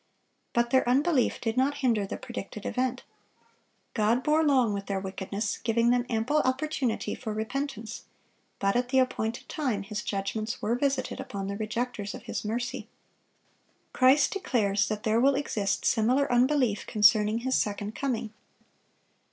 But their unbelief did not hinder the predicted event. God bore long with their wickedness, giving them ample opportunity for repentance; but at the appointed time His judgments were visited upon the rejecters of His mercy. Christ declares that there will exist similar unbelief concerning His second coming.